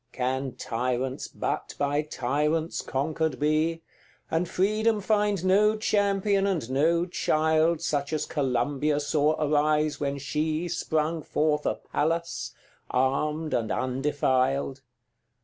XCVI. Can tyrants but by tyrants conquered be, And Freedom find no champion and no child Such as Columbia saw arise when she Sprung forth a Pallas, armed and undefiled?